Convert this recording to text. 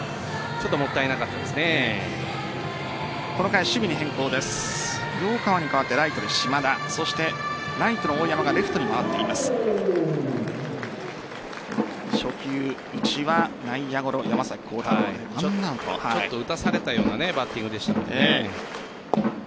ちょっと打たされたようなバッティングでしたね。